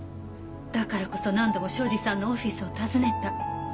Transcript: だからこそ何度も庄司さんのオフィスを訪ねた。